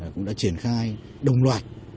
cũng đã triển khai đồng loạt